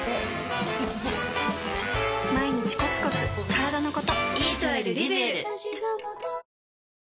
毎日コツコツからだのこと